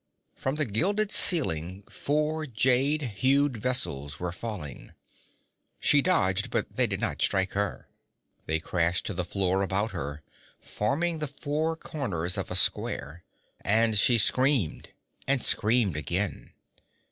From the gilded ceiling four jade hued vessels were falling. She dodged, but they did not strike her. They crashed to the floor about her, forming the four corners of a square. And she screamed, and screamed again.